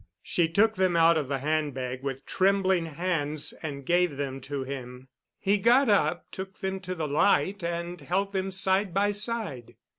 She took them out of the handbag with trembling hands and gave them to him. He got up, took them to the light and held them side by side.